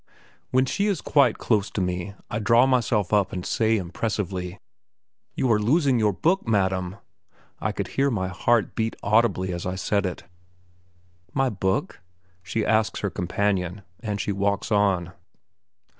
When she is quite close to me I draw myself up and say impressively: "You are losing your book, madam!" I could hear my heart beat audibly as I said it. "My book?" she asks her companion, and she walks on.